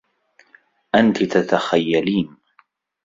أنتِ تتخيّلين.